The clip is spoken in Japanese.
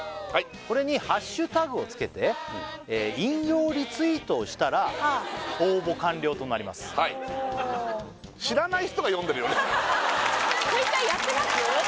これにハッシュタグをつけて引用リツイートをしたら応募完了となりますＴｗｉｔｔｅｒやってます？